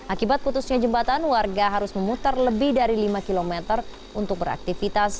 akibat putusnya jembatan warga harus memutar lebih dari lima km untuk beraktivitas